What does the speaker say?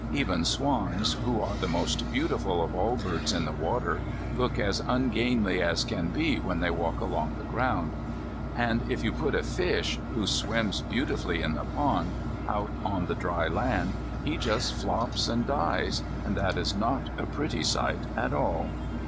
Even swans, who are the most beautiful of all birds in the water, look as ungainly as can be when they walk along the ground. And if you put a fish, who swims beautifully in the pool, out on the dry land, he just flops and dies, and that is not a pretty sight at all.